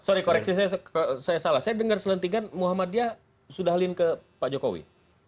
sorry koreksi saya salah saya dengar selentingan muhammadiyah sudah halin ke pak jokowi